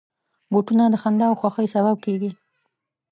بوټونه د خندا او خوښۍ سبب کېږي.